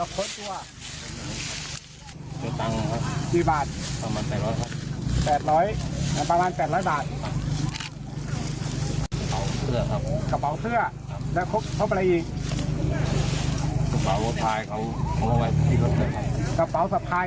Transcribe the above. ข้อประตูี่สุดเลยตอนนี้จุดโพงทัยนานเล่าไป